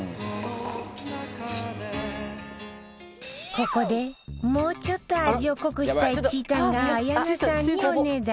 ここでもうちょっと味を濃くしたいちーたんが綾菜さんにおねだり